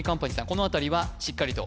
このあたりはしっかりと？